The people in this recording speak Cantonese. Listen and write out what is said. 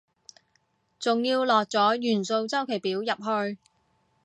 仲要落咗元素週期表入去